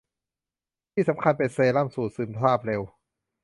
ที่สำคัญเป็นเซรั่มสูตรซึมซาบเร็ว